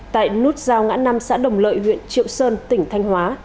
tại nút giao ngã năm xã đồng lợi huyện triệu sơn tỉnh thanh hóa